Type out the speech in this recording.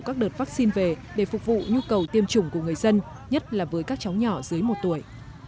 các đợt vaccine về để phục vụ nhu cầu tiêm chủng của người dân nhất là với các cháu nhỏ dưới một tuổi